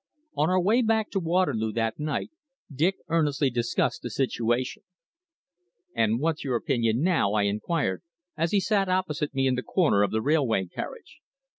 On our way back to Waterloo that night Dick earnestly discussed the situation. "And what's your opinion now?" I inquired, as he sat opposite me in the corner of the railway carriage.